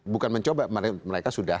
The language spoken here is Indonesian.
bukan mencoba mereka sudah